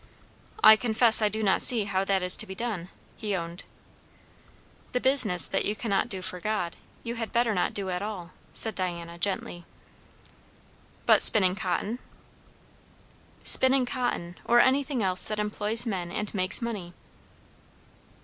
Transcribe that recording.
"I confess I do not see how that is to be done," he owned. "The business that you cannot do for God, you had better not do at all," said Diana gently. "But spinning cotton?" "Spinning cotton, or anything else that employs men and makes money."